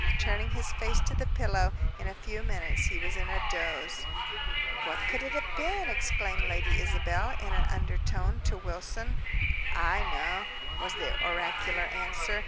Turning his face to the pillow, in a few minutes he was in a doze. "What could it have been?" exclaimed Lady Isabel, in an undertone, to Wilson. "I know," was the oracular answer.